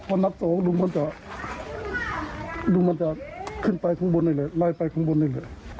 พอพอพอนับโตดูมันจะดูมันจะขึ้นไปข้างบนเลยลายไปข้างบนเลย